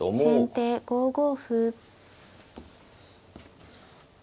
先手５五歩。